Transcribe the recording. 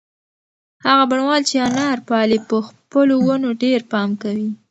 هغه بڼوال چې انار پالي په خپلو ونو ډېر پام کوي.